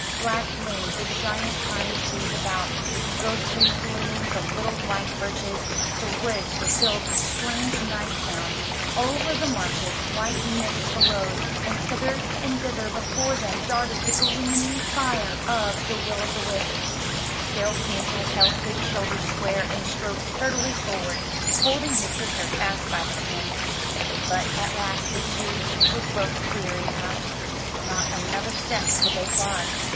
Black loomed the giant pine trees about, ghostly gleamed the little white birches, the woods were filled with strange night sounds, over the marshes white mists arose, and hither and thither before them darted the gleaming fire of the will o' the wisp. Still Hansel held his shoulders square and strode sturdily forward, holding his sister fast by the hand. But at last the two were both wearied out. Not another step could they plod.